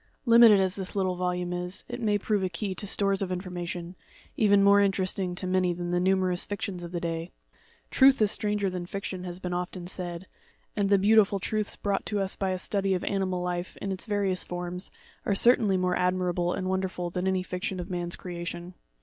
Limited as this little volume is, it may prove a key to stores of information, even more interesting to many than the numerous fictions of the day. ' Truth is stranger than fiction," has been often said; and the beautiful truths brought to us by a study of animal life, in its various forms, are certainly more admirable and wonderful than any fiction of man's creation.